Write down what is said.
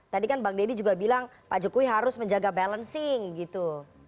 tadi kan bang deddy juga bilang pak jokowi harus menjaga balancing gitu